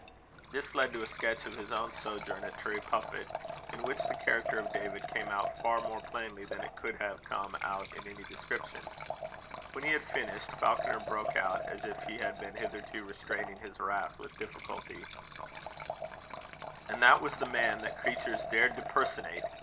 This led to a sketch of his own sojourn at Turriepuffit; in which the character of David came out far more plainly than it could have come out in any description. When he had finished, Falconer broke out, as if he had been hitherto restraining his wrath with difficulty: "And that was the man the creatures dared to personate!